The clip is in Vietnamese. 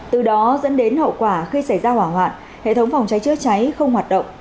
từ đó dẫn đến hậu quả khi xảy ra hỏa hoạn hệ thống phòng cháy chữa cháy không hoạt động